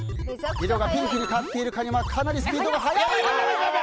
色がピンクに変わっているカニはかなりスピードが速い。